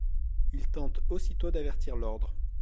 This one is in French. Il tente aussitôt d'avertir l'Ordre.